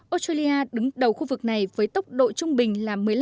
australia đứng đầu khu vực này với tốc độ trung bình